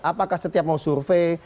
apakah setiap mau survei